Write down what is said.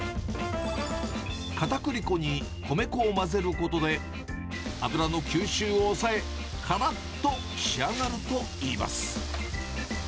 かたくり粉に米粉を混ぜることで、油の吸収を抑え、からっと仕上がるといいます。